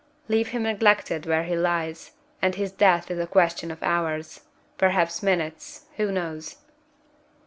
Leave him neglected where he lies, and his death is a question of hours perhaps minutes; who knows?